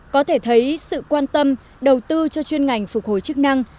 có thể thấy sự quan tâm đầu tư cho chuyên ngành phục hồi chức năng